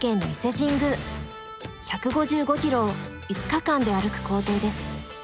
１５５ｋｍを５日間で歩く行程です。